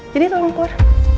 jadi tolong kor